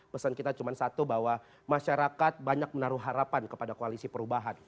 pesan kita cuma satu bahwa masyarakat banyak menaruh harapan kepada koalisi perubahan